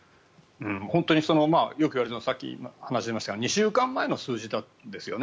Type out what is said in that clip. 本当によく言われるのが先ほどもありましたが２週間前の数字なんですよね。